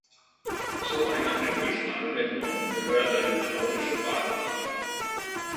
Zu einer typischen Anwendungen gehört der hydraulische Wagenheber.